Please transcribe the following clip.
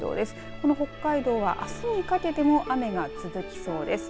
この北海道はあすにかけても雨が続きそうです。